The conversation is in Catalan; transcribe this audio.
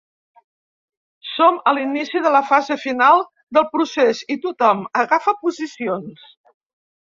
Som a l’inici de la fase final del procés i tothom agafa posicions.